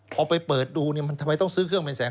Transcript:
พอไปเปิดดูเนี่ยมันทำไมต้องซื้อเครื่องเป็นแสน